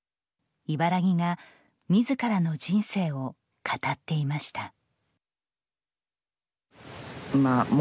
茨木が自らの人生を語っていました。